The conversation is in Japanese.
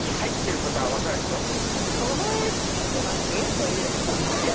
そういうの。